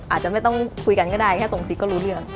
อาจจะไม่ต้องคุยกันก็ได้แค่ทรงสิทธิก็รู้เรื่อง